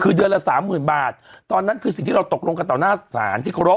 คือเดือนละสามหมื่นบาทตอนนั้นคือสิ่งที่เราตกลงกันต่อหน้าศาลที่เคารพ